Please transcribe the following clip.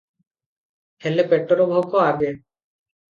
ହେଲେ ପେଟର ଭୋକ ଆଗେ ।